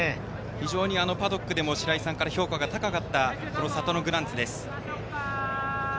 非常にパドックでも白井さんから評価が高かったサトノグランツです。